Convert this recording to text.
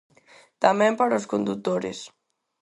Tamén para os condutores.